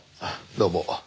どうも。